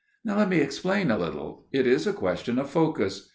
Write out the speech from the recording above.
"Let me explain a little. It is a question of focus.